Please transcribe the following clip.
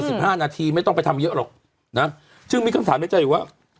สิบห้านาทีไม่ต้องไปทำเยอะหรอกนะจึงมีคำถามในใจอยู่ว่า